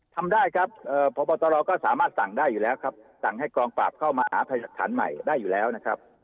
ทำได้ครับพบตรก็สามารถสั่งได้อยู่แล้วครับสั่งให้กองปราบเข้ามาหาพยาหลักฐานใหม่ได้อยู่แล้วนะครับ